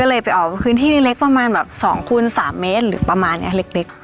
ก็เลยไปออกพื้นที่เล็กประมาณแบบ๒คูณ๓เมตรหรือประมาณนี้เล็ก